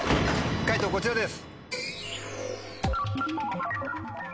解答こちらです。